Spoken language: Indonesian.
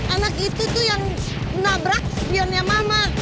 anak itu tuh yang nabrak sepiannya mama